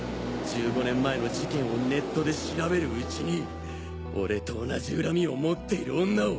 １５年前の事件をネットで調べるうちに俺と同じ恨みを持っている女を！